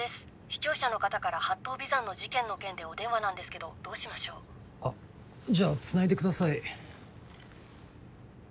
視聴者の方から八頭尾山の事件の件でお電話なんですけどどうしましょう？あっじゃあつないでください。